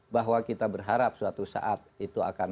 bahwa kita berharap suatu saat itu akan